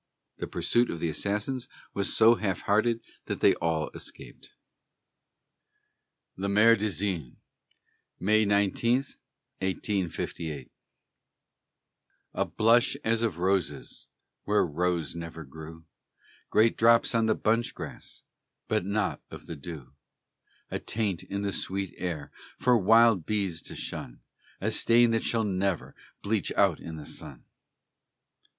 The pursuit of the assassins was so half hearted that they all escaped. LE MARAIS DU CYGNE [May 19, 1858] A blush as of roses Where rose never grew! Great drops on the bunch grass, But not of the dew! A taint in the sweet air For wild bees to shun! A stain that shall never Bleach out in the sun!